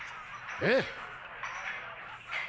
ええ。